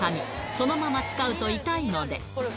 そのまま使うと痛いので。